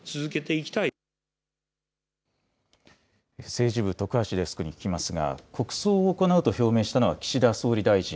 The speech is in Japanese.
政治部、徳橋デスクに聞きますが、国葬を行うと表明したのは岸田総理大臣。